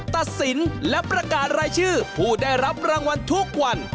ตัดสินและประกาศรายชื่อผู้ได้รับรางวัลทุกวัน